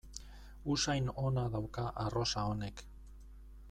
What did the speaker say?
Usain ona dauka arrosa honek.